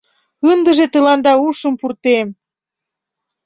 Ындыже тыланда ушым пуртем!